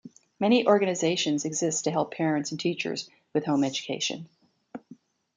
Many organisations exist to help parents and teachers with home education.